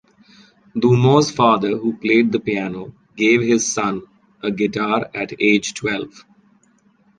Dumont's father, who played the piano, gave his son a guitar at age twelve.